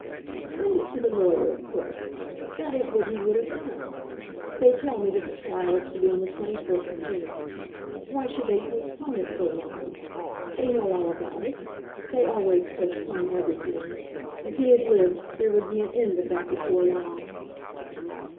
"Send it to the lawyer, of course. That is what he would have done. They tell me that the trial is to be on the 24th of June. Why should they postpone it so long? They know all about it. They always postpone everything. If he had lived, there would be an end of that before long."